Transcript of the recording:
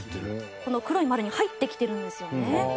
この黒い丸に入ってきてるんですよね。